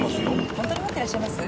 ホントに持ってらっしゃいます？